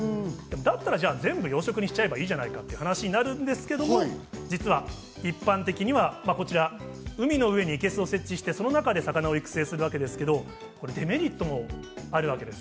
じゃあ、全部養殖にしちゃえばいいじゃないかという話がありますけど実は一般的には海の上にいけすを設置して、その中で魚を育成するわけですけれども、デメリットもあるわけです。